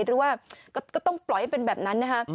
หรือว่าก็ต้องปล่อยให้เป็นแบบนั้นนะคะ